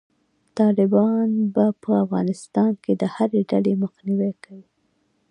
طالبان به په افغانستان کې د هري ډلې مخنیوی کوي.